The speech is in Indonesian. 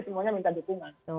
semuanya minta dukungan